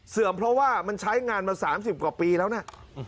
เพราะว่ามันใช้งานมา๓๐กว่าปีแล้วนะ